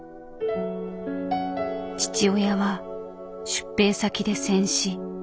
父親は出兵先で戦死。